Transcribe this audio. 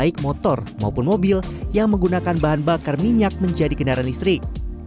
kita menggunakan bahan bakar minyak menjadi kendaraan listrik